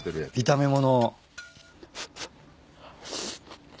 炒め物。